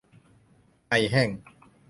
ไอแห้ง